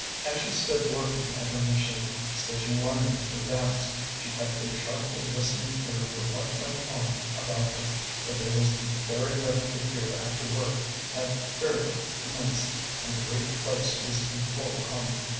As she stood working at her machine, stitching linings to vamps, she kept a sharply listening ear for what went on about her, but there was very little to hear after work had fairly commenced and the great place was in full hum.